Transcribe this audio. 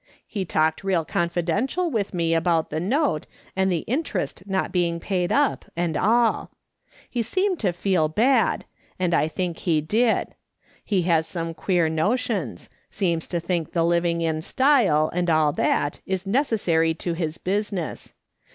He talked real confidential with me about the note, and the interest not being paid up, and all. He seemed to feel real bad, and I think he did. He has some queer notions ; seems to think the living in style, and all that, is necessary to his business.